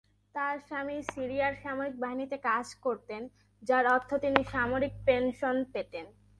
তার স্বামী সিরিয়ার সামরিক বাহিনীতে কাজ করতেন, যার অর্থ তিনি সামরিক পেনশন পেতেন।